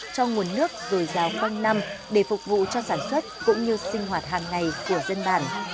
cho nguồn nước dồi dào quanh năm để phục vụ cho sản xuất cũng như sinh hoạt hàng ngày của dân bản